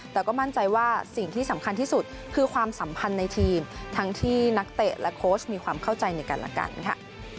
แต่ก็มั่นใจว่าสิ่งที่สำคัญที่สุดคือความสัมพันธ์ในทีมทั้งที่นักเตะและโค้ชมีความเข้าใจในกันและกันค่ะ